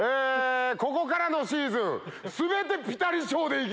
ここからのシーズン全てピタリ賞で行きます！